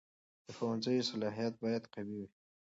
د ښوونځي صلاحیت باید قوي وي.